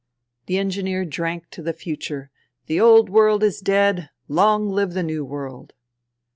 The engineer drank to the future :" The old world is dead : long live the new world